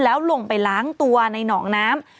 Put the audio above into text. แล้วลงไปล้างตัวในหนองน้ำ